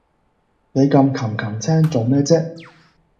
你咁擒擒青做咩啫